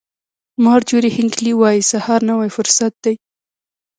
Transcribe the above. مارجوري هینکلي وایي سهار نوی فرصت دی.